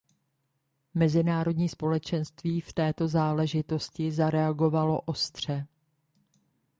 Mezinárodní společenství v této záležitosti zareagovalo ostře.